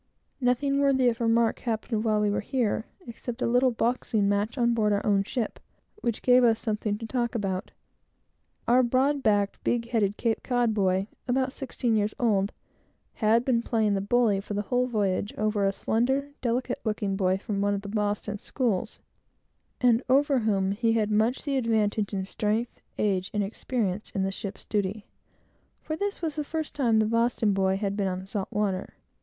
Nothing worthy of remark happened while we were here, except a little boxing match on board our own ship, which gave us something to talk about. A broad backed, big headed Cape Cod boy, about sixteen years old, had been playing the bully, for the whole voyage, over a slender, delicate looking boy, from one of the Boston schools, and over whom he had much the advantage, in strength, age, and experience in the ship's duty, for this was the first time the Boston boy had been on salt water.